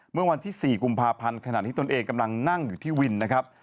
เมื่อวันที่๔กุมภาพันธ์ขณะที่ตนเองกำลังนั่งอยู่ที่วินนะครับ